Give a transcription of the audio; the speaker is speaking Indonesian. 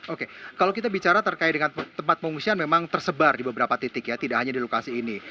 oke kalau kita bicara terkait dengan tempat pengungsian memang tersebar di beberapa titik ya tidak hanya di lokasi ini